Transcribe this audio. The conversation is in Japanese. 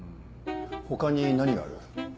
他に何がある？